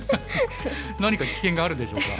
何か危険があるんでしょうか？